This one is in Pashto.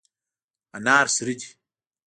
انار سره دي.